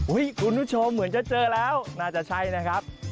อุ๊ยคุณผู้ชมมึงจะเจอแล้วน่าจะใช่น่ะครับ